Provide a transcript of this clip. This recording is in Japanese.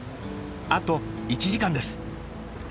あと１時間です。